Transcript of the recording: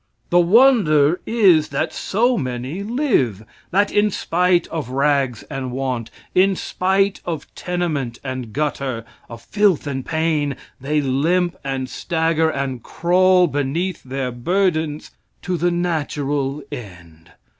The wonder is that so many live, that in spite of rags and want, in spite of tenement and gutter, of filth and pain, they limp and stagger and crawl beneath their burdens to the natural end.